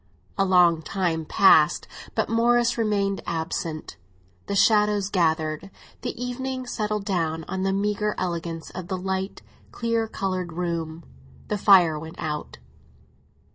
A long time passed, but Morris remained absent; the shadows gathered; the evening settled down on the meagre elegance of the light, clear coloured room; the fire went out.